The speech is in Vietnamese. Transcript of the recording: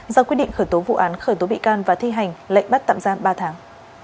ra quyết định khởi tố vụ án khởi tố bị can và thi hành lệnh bắt tạm giam ba tháng